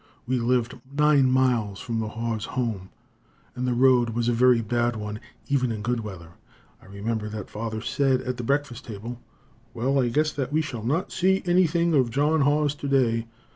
We lived nine miles from the Haws home, and the road was a very bad one even in good weather. I remember that father said at the breakfast table: "Well, I guess that we shall not see anything of John Haws today.